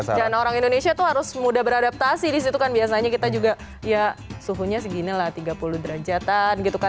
dan orang indonesia itu harus mudah beradaptasi disitu kan biasanya kita juga ya suhunya segini lah tiga puluh derajatan gitu kan